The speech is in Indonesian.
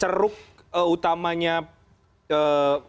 ceruk utamanya kubu adanya itu apa